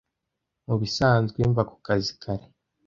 Mubisanzwe mva kukazi kare